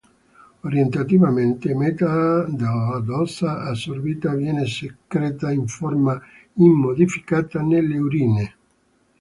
Orientativamente, metà della dose assorbita viene escreta in forma immodificata nelle urine.